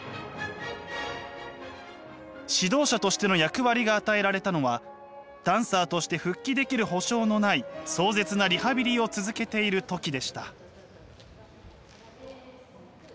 指導者としての役割が与えられたのはダンサーとして復帰できる保証のない壮絶なリハビリを続けている時でした。